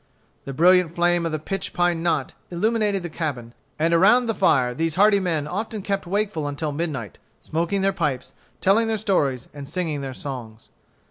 The brilliant flame of the pitch pine knot illumined the cabin; and around the fire these hardy men often kept wakeful until midnight, smoking their pipes, telling their stories, and singing their songs.